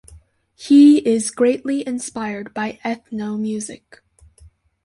He is greatly inspired by ethno music.